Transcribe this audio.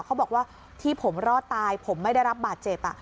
เขาบอกว่าที่ผมรอดตายผมไม่ได้รับบาดเจ็บ